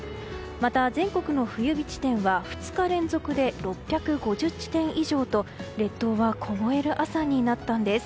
また全国の冬日地点は２日連続で６５０地点以上と列島は凍える朝になったんです。